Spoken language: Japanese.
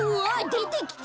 でてきた。